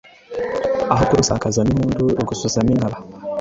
Aho kurusakazamo impundu urwuzuzama inkaba